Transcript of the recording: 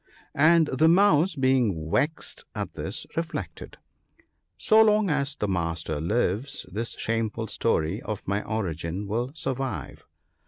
' And the mouse being vexed at this, reflected, ' So long as the Master lives, this shameful story of my origin will survive